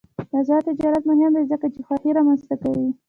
آزاد تجارت مهم دی ځکه چې خوښي رامنځته کوي.